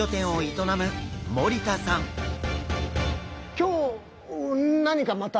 今日何かまた？